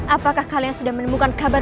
apakah kalian sudah menemukan kabar